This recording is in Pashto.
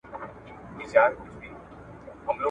نن مي شیخ د میخانې پر لاري ولید ,